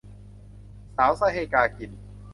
สาวไส้ให้กากิน